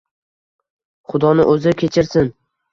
Xudoni o‘zi kechirsin.